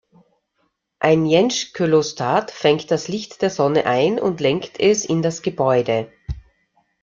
Ein Jensch-Coelostat fängt das Licht der Sonne ein und lenkt es in das Gebäude.